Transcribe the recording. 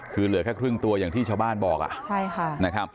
คือเหลือแค่ครึ่งตัวอย่างที่ชาวบ้านบอก